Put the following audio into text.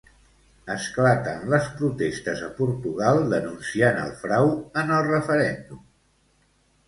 Esclaten les protestes a Portugal denunciant el frau en el referèndum.